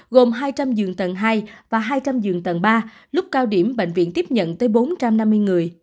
gồm hai trăm linh giường tầng hai và hai trăm linh giường tầng ba lúc cao điểm bệnh viện tiếp nhận tới bốn trăm năm mươi người